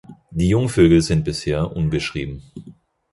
Die Jungvögel sind bisher unbeschrieben.